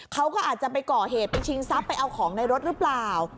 เขาก็อาจจะไปก่อเหตุไปชิงทรัพย์ไปเอาของในรถหรือเปล่า